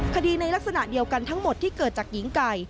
คดีในลักษณะเดียวกันทั้งหมดที่เกิดจากหญิงไก่